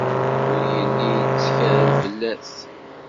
Ur yelli lettkal fell-as.